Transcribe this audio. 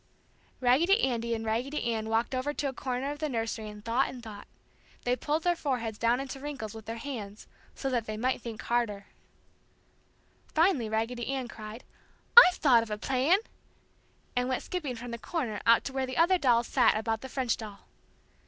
Raggedy Andy and Raggedy Ann walked over to a corner of the nursery and thought and thought. They pulled their foreheads down into wrinkles with their hands, so that they might think harder. [Illustration: Raggedy Andy winds the music box] Finally Raggedy Ann cried, "I've thought of a plan!" and went skipping from the corner out to where the other dolls sat about the French doll.